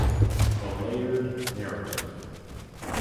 A layered narrative.